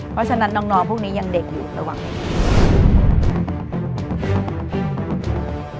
เพราะฉะนั้นน้องพวกนี้ยังเด็กอยู่ระหว่างนี้